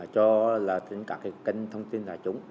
cho tất cả các kênh thông tin tài chúng